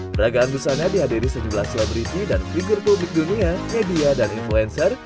peragaan busanya dihadiri tujuh belas selebriti dan figur publik dunia media dan influencer